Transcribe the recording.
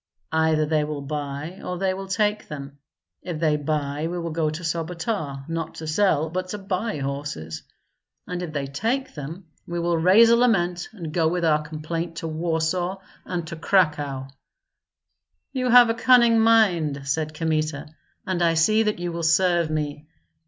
"Either they will buy or they will take them. If they buy we will go to Sobota, not to sell, but to buy horses; and if they take them, we will raise a lament and go with our complaint to Warsaw and to Cracow." "You have a cunning mind," said Kmita, "and I see that you will serve me.